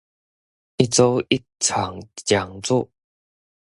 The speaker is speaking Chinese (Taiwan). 一週一場講座